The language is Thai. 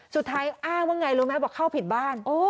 อ้างว่าไงรู้ไหมบอกเข้าผิดบ้าน